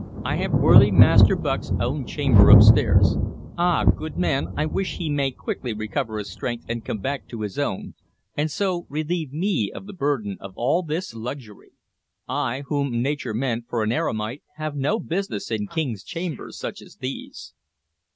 "I have worthy Master Bucke's own chamber upstairs. Ah, good man, I wish he may quickly recover his strength and come back to his own, and so relieve me of the burden of all this luxury. I, whom nature meant for an eremite, have no business in kings' chambers such as these."